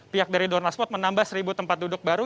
pihak dari donalspot menambah seribu tempat duduk baru